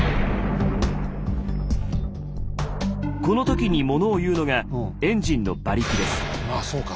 この時にものを言うのがエンジンの馬力です。